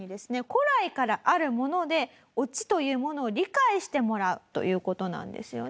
古来からあるものでオチというものを理解してもらうという事なんですよね？